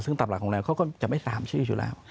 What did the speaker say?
ซึ่งตามหลักของเราเขาก็จะไม่ตามชื่ออยู่แล้ว